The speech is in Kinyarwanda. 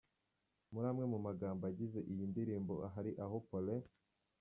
Muri amwe mu magambo agize iyi ndirimbo hari aho Paulin.